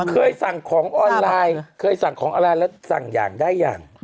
เคยสั่งของออนไลน์และสั่งอย่างได้อย่าง